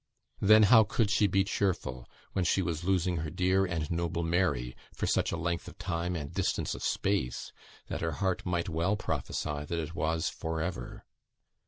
Then how could she be cheerful, when she was losing her dear and noble "Mary," for such a length of time and distance of space that her heart might well prophesy that it was "for ever"?